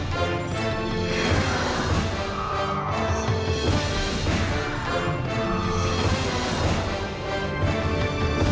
โปรดติดตามตอนต่อไป